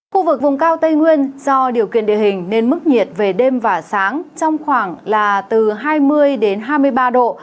khu vực vùng cao tây nguyên do điều kiện địa hình nên mức nhiệt về đêm và sáng trong khoảng là từ hai mươi hai mươi ba độ